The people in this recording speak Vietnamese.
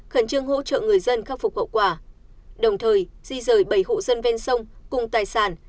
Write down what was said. khẩn trương hỗ trợ người dân khắc phục hậu quả đồng thời di rời bảy hộ dân ven sông cùng tài sản